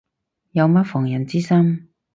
冇乜防人之心